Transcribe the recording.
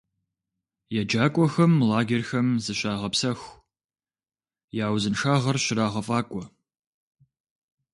ЕджакӀуэхэм лагерхэм зыщагъэпсэху, я узыншагъэр щрагъэфӀакӀуэ.